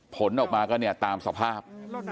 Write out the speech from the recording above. ผลออกมาก็เนี่ยตามสภาพ